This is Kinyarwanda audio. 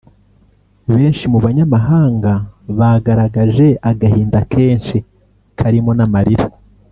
Benshi mu banyamahanga bagaragaje agahinda kenshi karimo n’amarira